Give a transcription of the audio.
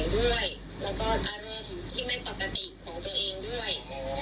ด้วยแล้วก็อารมณ์ที่ไม่ปกติของตัวเองด้วย